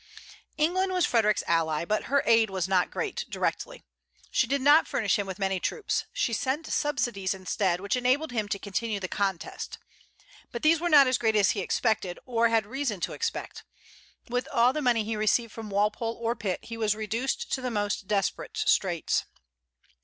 England was Frederic's ally, but her aid was not great directly. She did not furnish him with many troops; she sent subsidies instead, which enabled him to continue the contest. But these were not as great as he expected, or had reason to expect. With all the money he received from Walpole or Pitt he was reduced to the most desperate straits.